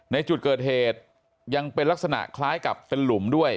ในจุดเกิดเหตุยังเป็นลักษณะคล้ายกับเป็นหลุมด้วย